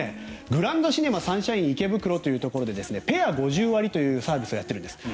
グランドシネマサンシャインというところでペア５０割というサービスをやっているんです。